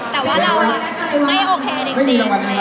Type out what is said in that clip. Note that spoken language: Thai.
แต่ว่าเราไม่โอเคจริง